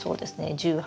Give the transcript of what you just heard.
１８